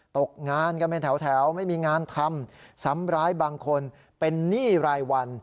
ตกงานกันเป็นแถวไม่มีงานทำซ้ำร้ายบางคนเป็นหนี้รายวัน